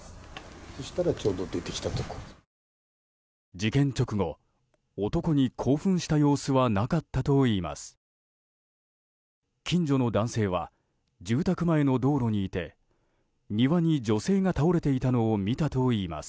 事件直後、男に興奮した様子はなかったといいます。